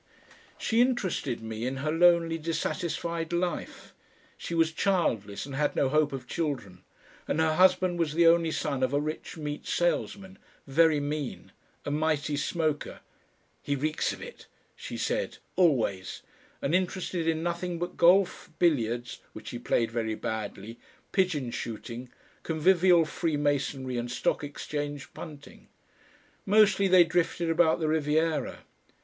She interested me in her lonely dissatisfied life; she was childless and had no hope of children, and her husband was the only son of a rich meat salesman, very mean, a mighty smoker "he reeks of it," she said, "always" and interested in nothing but golf, billiards (which he played very badly), pigeon shooting, convivial Free Masonry and Stock Exchange punting. Mostly they drifted about the Riviera.